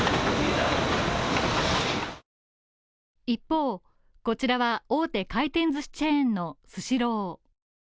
一方、こちらは大手回転すしチェーンのスシロー。